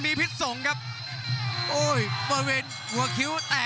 ขวางเอาไว้ครับโอ้ยเด้งเตียวคืนครับฝันด้วยศอกซ้าย